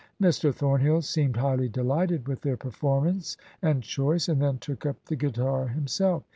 " Mr. Thomhill seemed highly delighted with their performance and choice, and then took up the guitar himself.